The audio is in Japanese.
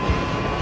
あ！